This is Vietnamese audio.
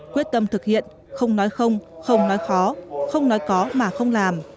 quyết tâm thực hiện không nói không không nói khó không nói có mà không làm